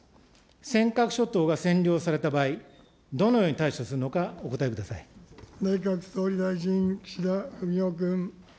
尖閣諸島が占領された場合、どのように対処するのか、お答えくだ内閣総理大臣、岸田文雄君。